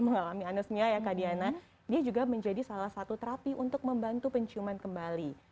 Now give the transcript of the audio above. mengalami anosmia ya kak diana dia juga menjadi salah satu terapi untuk membantu penciuman kembali